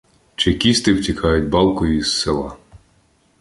Чекісти втікають балкою із села.